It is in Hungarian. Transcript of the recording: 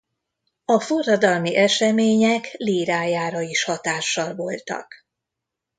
A forradalmi események lírájára is hatással voltak.